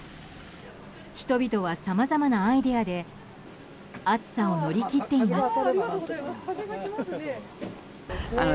人々は、さまざまなアイデアで暑さを乗り切っています。